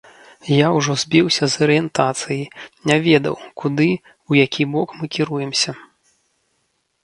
Я ўжо збіўся з арыентацыі, не ведаў, куды, у які бок мы кіруемся.